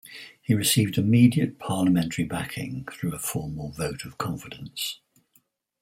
He received immediate parliamentary backing through a formal vote of confidence.